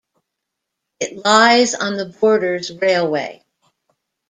It lies on the Borders Railway.